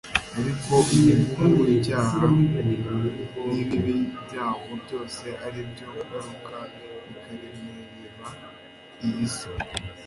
Ariko umuvumo w'icyaha n'ibibi byawo byose ari byo ngaruka, bikaremerera iyi si.